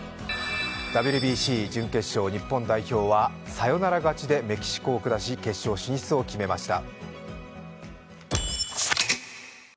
ＷＢＣ準決勝、日本代表はサヨナラ勝ちでメキシコを下し、決勝進出を決めました。